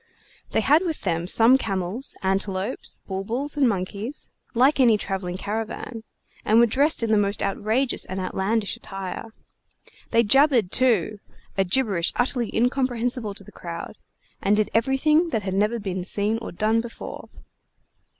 They had with them some camels, antelopes, bulbuls, and monkeys like any travelling caravan, and were dressed in the most outrageous and outlandish attire. They jabbered, too, a gibberish utterly incomprehensible to the crowd, and did everything that had never been seen or done before.